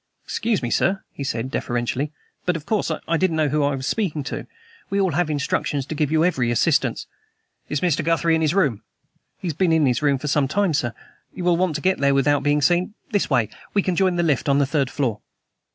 "Excuse me, sir," he said deferentially, "but, of course, I didn't know who I was speaking to. We all have instructions to give you every assistance." "Is Mr. Guthrie in his room?" "He's been in his room for some time, sir. You will want to get there without being seen? This way. We can join the lift on the third floor."